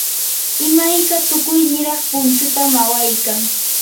imayka tukuy niraq punchutam awaykan.